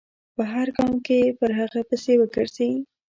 په هر ګام کې پر هغه پسې و ګرځي.